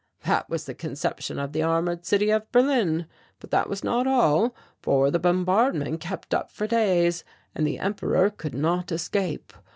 "That was the conception of the armoured city of Berlin. But that was not all. For the bombardment kept up for days and the Emperor could not escape.